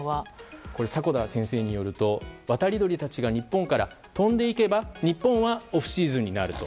迫田先生によると渡り鳥たちが日本から飛んでいけば日本はオフシーズンになると。